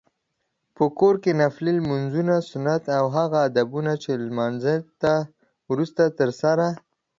په کور کې نفلي لمونځونه، سنت او هغه ادبونه چې له لمانځته وروسته ترسره